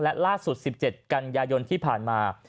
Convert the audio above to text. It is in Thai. และล่าสุด๑๗กันยายนที่ผ่านมา